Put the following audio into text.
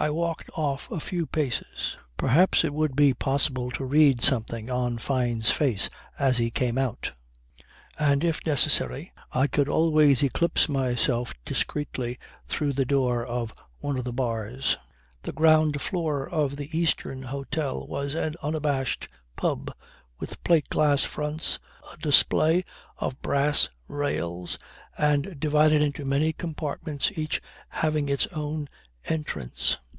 I walked off a few paces. Perhaps it would be possible to read something on Fyne's face as he came out; and, if necessary, I could always eclipse myself discreetly through the door of one of the bars. The ground floor of the Eastern Hotel was an unabashed pub, with plate glass fronts, a display of brass rails, and divided into many compartments each having its own entrance.